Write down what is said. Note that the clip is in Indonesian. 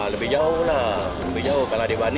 lebih jauh lah lebih jauh kalau dibani